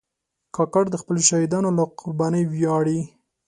کاکړ د خپلو شهیدانو له قربانۍ ویاړي.